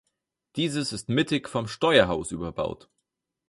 Dieses ist mittig vom Steuerhaus überbaut.